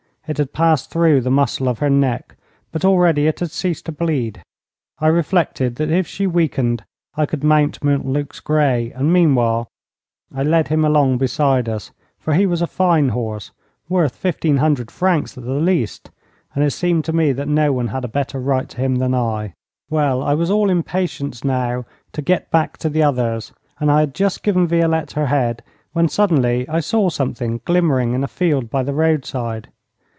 It had passed through the muscle of her neck, but already it had ceased to bleed. I reflected that if she weakened I could mount Montluc's grey, and meanwhile I led him along beside us, for he was a fine horse, worth fifteen hundred francs at the least, and it seemed to me that no one had a better right to him than I. Well, I was all impatience now to get back to the others, and I had just given Violette her head, when suddenly I saw something glimmering in a field by the roadside.